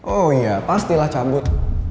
oh iya pastilah cabut